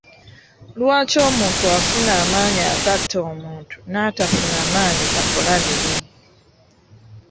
Lwaki omuntu afuna amaanyi agatta omuntu n'atafuna maanyi gakola mirimu.